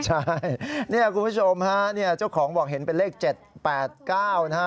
ใช่เนี่ยคุณผู้ชมฮะเนี่ยเจ้าของบอกเห็นเป็นเลข๗๘๙นะฮะ